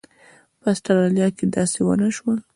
په اسټرالیا کې داسې ونه شول.